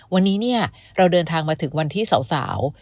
วันนี้เนี่ยเราเดินทางมาถึงวันที่สาว